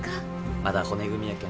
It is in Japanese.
まだ骨組みやけん。